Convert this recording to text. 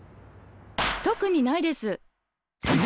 特にないです。